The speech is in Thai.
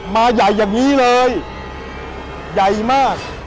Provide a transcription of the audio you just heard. มาใหญ่อย่างนี้เลยใหญ่มาก